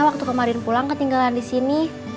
waktu kemarin pulang ketinggalan di sini